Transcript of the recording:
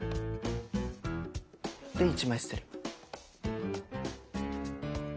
で１枚捨てる。